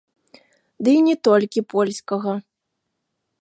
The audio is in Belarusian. Ды і не толькі польскага.